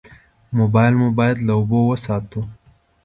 موبایل مو باید له اوبو وساتو.